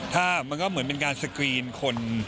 ถ้ามันก็เหมือนเป็นการสกรีนคน